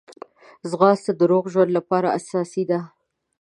ځغاسته د روغ ژوند لپاره اساسي ده